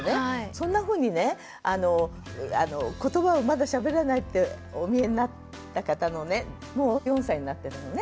そんなふうにねことばをまだしゃべらないっておみえになった方のねもう４歳になってたのね。